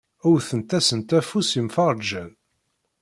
Wwten-asent afus yemferrǧen.